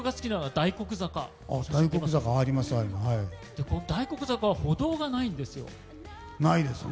大黒坂は歩道がないんですね。